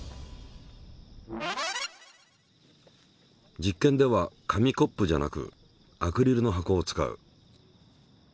実験では紙コップじゃなくアクリルの箱を使う。